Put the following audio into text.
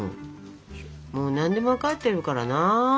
もう何でも分かってるからな。